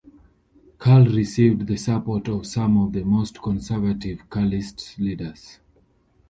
Karl received the support of some of the most conservative Carlist leaders.